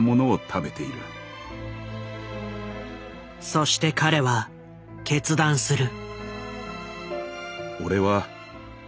そして彼は決断する。